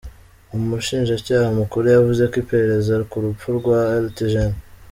Umushinjacyaha mukuru yavuze ko iperereza ku rupfu rwa Lt Gen.